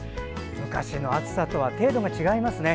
昔の暑さとは程度が違いますね。